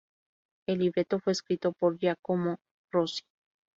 El libreto fue escrito por Giacomo Rossi.